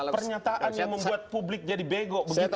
pernyataan yang membuat publik jadi bego begitu